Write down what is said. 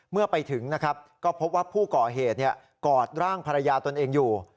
เมื่อไปถึงนะครับก็พบว่าผู้ก่อเหตุกอดร่างภรรยาตนเองอยู่